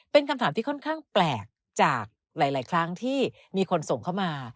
เป็นคำถามที่ค่อนข้างแปลกจากหลายครั้งที่มีคนส่งเข้ามา